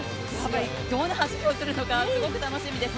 どんな走りをするのかすごい楽しみです。